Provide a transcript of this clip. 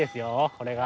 これが。